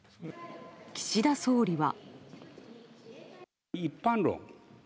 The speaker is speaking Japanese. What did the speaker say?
岸田総理は。